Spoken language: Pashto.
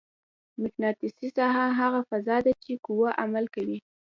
مقناطیسي ساحه هغه فضا ده چې قوه عمل کوي.